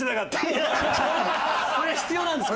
これが必要なんです！